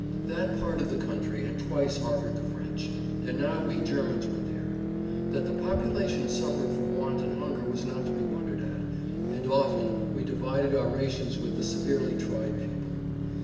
That part of the country had twice harbored the French, and now we Germans were there. That the population suffered from want and hunger was not to be wondered at, and often we divided our rations with the severely tried people.